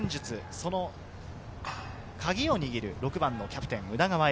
そのカギを握る６番キャプテン・宇田川瑛